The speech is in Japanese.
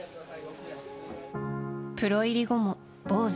プロ入り後も、坊主。